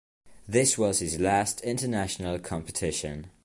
This was his last international competition.